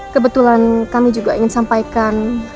kebetulan kami juga ingin sampaikan